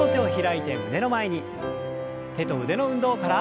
手と腕の運動から。